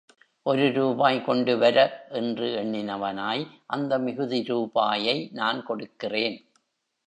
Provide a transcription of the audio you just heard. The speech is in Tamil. ஒரு ரூபாய் கொண்டு வர! என்று எண்ணினவனாய், அந்த மிகுதி ரூபாயை நான் கொடுக்கிறேன்!